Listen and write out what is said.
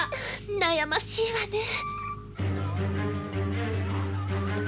悩ましいわねえ。